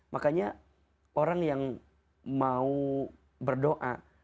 makanya orang yang mau berdoa